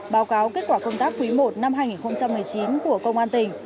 báo cáo kết quả công tác quý i năm hai nghìn một mươi chín của công an tỉnh